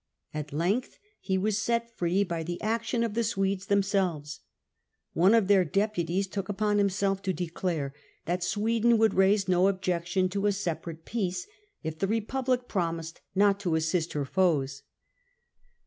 At length he was set free by the action of the Swedes themselves. One of their deputies took upon himself to declare that Sweden would raise no objection to a separate peace if the Republic promised not to assist her foes.